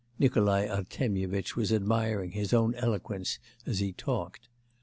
(Nikolai Artemyevitch was admiring his own eloquence as he talked.)